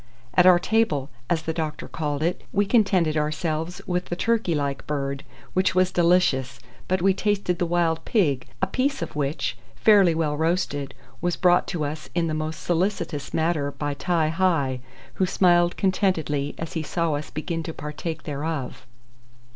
At our table, as the doctor called it, we contented ourselves with the turkey like bird, which was delicious, but we tasted the wild pig, a piece of which, fairly well roasted, was brought to us in the most solicitous manner by Ti hi, who smiled contentedly as he saw us begin to partake thereof.